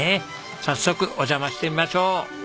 早速お邪魔してみましょう。